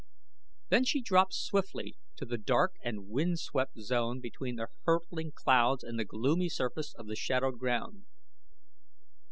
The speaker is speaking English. Then she dropped swiftly to the dark and wind swept zone between the hurtling clouds and the gloomy surface of the shadowed ground.